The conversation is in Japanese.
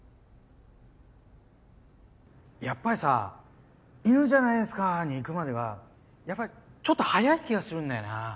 やっぱりさぁ「犬じゃないですか」にいくまでがやっぱりちょっと早い気がするんだよな。